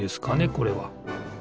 これは。